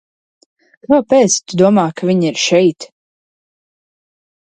Kāpēc tu domā, ka viņa ir šeit?